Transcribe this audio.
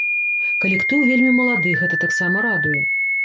Калектыў вельмі малады, гэта таксама радуе.